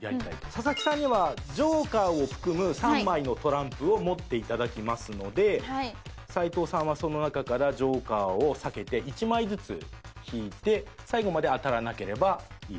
佐々木さんにはジョーカーを含む３枚のトランプを持っていただきますので齊藤さんはその中からジョーカーを避けて１枚ずつ引いて最後まで当たらなければいいと２回って事ですね。